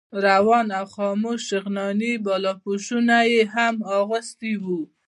روان او خموش شغناني بالاپوشونه یې هم اخیستي وو.